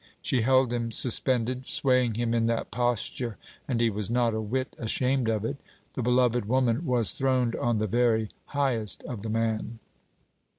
She held him suspended, swaying him in that posture; and he was not a whit ashamed of it. The beloved woman was throned on the very highest of the man.